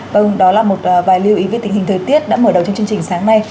vâng đó là một vài lưu ý về tình hình thời tiết đã mở đầu trong chương trình sáng nay